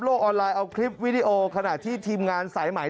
ออนไลน์เอาคลิปวิดีโอขณะที่ทีมงานสายไหม